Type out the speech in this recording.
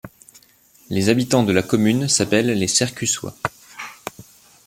Les habitants de la commune s'appellent les Sercussois.